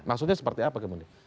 maksudnya seperti apa kemudian